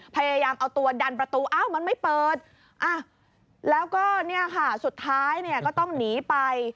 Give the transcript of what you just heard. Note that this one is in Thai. พยายามเอาตัวดันประตูอ้าวมันไม่เปิดแล้วก็เนี่ยค่ะสุดท้ายเนี่ยก็ต้องหนีไป